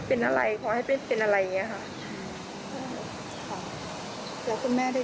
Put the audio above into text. เพราะว่ามันก็จบไปได้หลายเยือนแล้ว